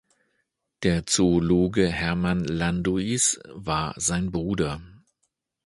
Der Zoologe Hermann Landois war sein Bruder.